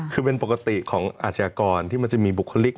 คือเป็นปกติของอาชญากรที่มันจะมีบุคลิก